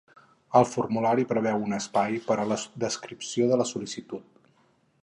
El formulari preveu un espai per a la descripció de la sol·licitud.